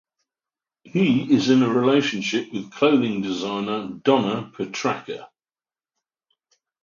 He is in a relationship with clothing designer Donna Petracca.